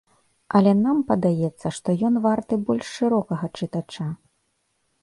Але нам падаецца, што ён варты больш шырокага чытача.